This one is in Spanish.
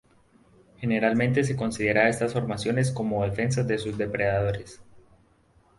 Generalmente se considera a estas formaciones como defensas de sus depredadores.